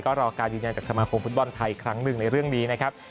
ก็รอการยืนยันจากสมาคมฟุตบอลไทยครั้งหนึ่งในเรื่องนี้นะครับ